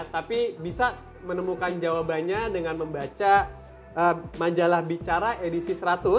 tapi bisa menemukan jawabannya dengan membaca majalah bicara edisi seratus